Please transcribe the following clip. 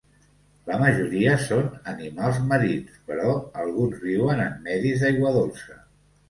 La majoria són animals marins, però alguns viuen en medis d'aigua dolça.